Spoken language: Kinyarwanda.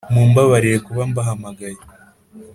mumbabarire kuba mbahamagaye,